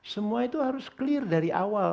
semua itu harus clear dari awal